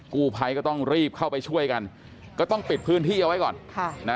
กู้ภัยก็ต้องรีบเข้าไปช่วยกันก็ต้องปิดพื้นที่เอาไว้ก่อนค่ะนะ